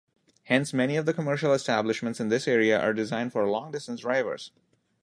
Hence, many of the commercial establishments in this area are designed for long-distance drivers.